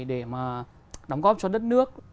để mà đóng góp cho đất nước